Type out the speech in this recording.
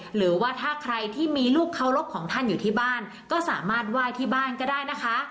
หรือว่าถ้าใครที่มีลูกเคารพของท่านอยู่ที่บ้านก็สามารถไหว้ที่บ้านก็ได้นะคะ